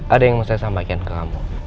ada yang mau saya sampaikan ke kamu